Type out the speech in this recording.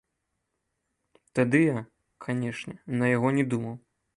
Тады я, канешне, на яго не думаў.